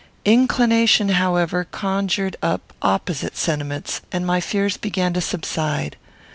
Inclination, however, conjured up opposite sentiments, and my fears began to subside.